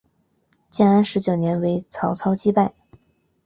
建安十九年为曹操击败。